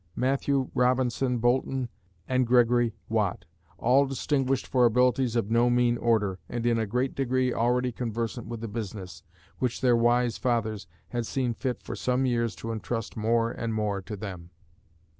Matthew Robinson Boulton and Gregory Watt, all distinguished for abilities of no mean order, and in a great degree already conversant with the business, which their wise fathers had seen fit for some years to entrust more and more to them.